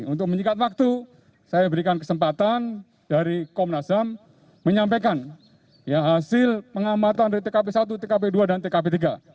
untuk menyingkat waktu saya berikan kesempatan dari komnas ham menyampaikan hasil pengamatan dari tkp satu tkp dua dan tkp tiga